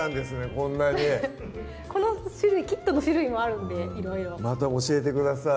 こんなにこの種類キットの種類もあるんでいろいろまた教えてください